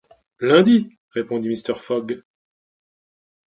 Lundi, répondit Mr. Fogg.